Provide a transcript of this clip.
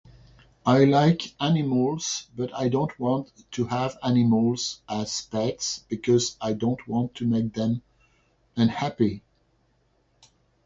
I like animals, but I don't want to have animals as pets because I don't want to make them unhappy.